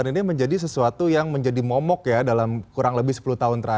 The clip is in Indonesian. cenderung meningkat ya dan juga